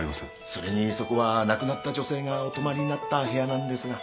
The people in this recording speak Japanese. それにそこは亡くなった女性がお泊まりになった部屋なんですが。